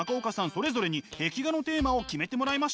それぞれに壁画のテーマを決めてもらいました。